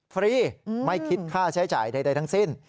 ฟรีไม่คิดค่าใช้จ่ายใดทั้งสิ้น